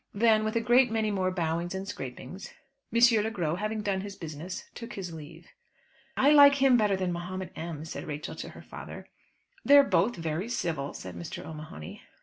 Then, with a great many more bowings and scrapings, M. Le Gros, having done his business, took his leave. "I like him better than Mahomet M.," said Rachel to her father. "They're both very civil," said Mr. O'Mahony.